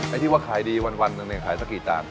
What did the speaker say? ไอ้ที่ว่าขายดีวันหนึ่งขายสักกี่จาน